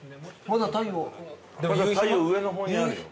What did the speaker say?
まだ太陽上の方にあるよ。